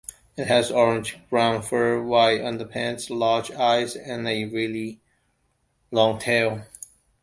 It has orange-brown fur, white underpants, large eyes and a very long tail.